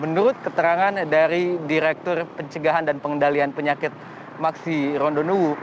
menurut keterangan dari direktur pencegahan dan pengendalian penyakit maksi rondonuwu